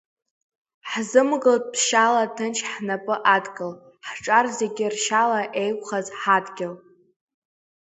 Ҳзымгылт ԥшьала ҭынч ҳнап адкыл, ҳҿар зегь ршьала еиқәхаз ҳадгьыл.